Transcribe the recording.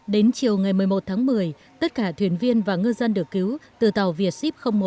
đến chiều ngày một mươi một tháng một mươi tất cả thuyền viên và ngư dân được cứu từ tàu việt ship một